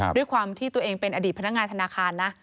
ด้วยความที่ตัวเองเป็นอดีตพนักงานธนาคารนะ